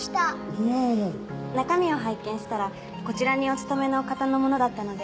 中身を拝見したらこちらにお勤めの方のものだったので。